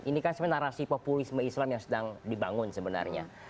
ini kan sebenarnya narasi populisme islam yang sedang dibangun sebenarnya